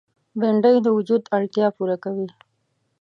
بېنډۍ د وجود اړتیا پوره کوي